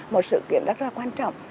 một sự kiện rất là quan trọng